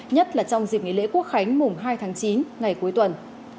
nhất là trong dịp nghỉ lễ quốc khánh mùng hai tháng chín ngày cuối tuần